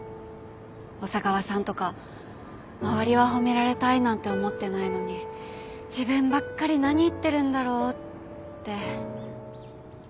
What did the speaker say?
小佐川さんとか周りは褒められたいなんて思ってないのに自分ばっかり何言ってるんだろうって。